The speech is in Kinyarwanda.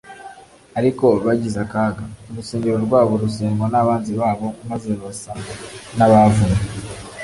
v. . Ariko bagize akaga, urusengero rwabo rusenywa n’abanzi babo, maze basa n’abavumwe;